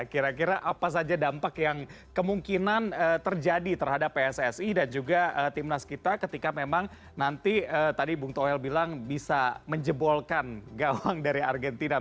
kira kira apa saja dampak yang kemungkinan terjadi terhadap pssi dan juga timnas kita ketika memang nanti tadi bung toel bilang bisa menjebolkan gawang dari argentina